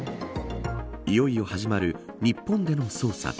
いよいよ始まる日本での捜査。